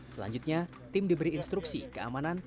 selanjutnya tim diberi instruksi keamanan